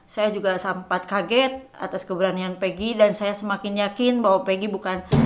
saya juga sempat kaget atas keberanian peggy dan saya semakin yakin bahwa peggy bukan